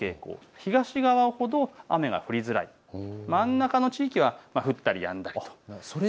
東側ほど雨が降りづらい、真ん中の地域は降ったりやんだり。